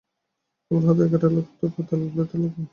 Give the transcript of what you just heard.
আমার হাত থেকে ক্যাটালগ নিয়ে পাতা ওলটাতে লাগলেন।